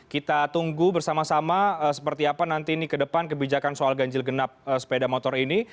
kita tunggu bersama sama seperti apa nanti ini ke depan kebijakan soal ganjil genap sepeda motor ini